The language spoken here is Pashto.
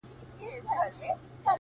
که څه هم دا د هندو لور بگوت گيتا’ وايي’